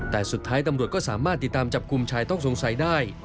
แต่สุดท้ายตำรวจก็สามารถติดตามจับกลุ่มชายต้องสงสัยได้